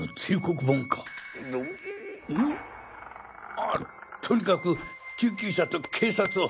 ああとにかく救急車と警察を。